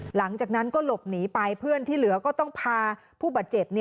หลังจากนั้นก็หลบหนีไปเพื่อนที่เหลือก็ต้องพาผู้บาดเจ็บ